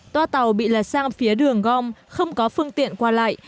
toa tàu bị lật sang phía đường gom không có phương tiện qua lại